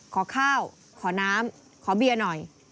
ขอข้าวขอน้ำขอเบียร์หน่อย